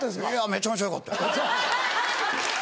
めちゃめちゃよかった。